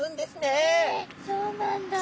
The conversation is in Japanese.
へえそうなんだ。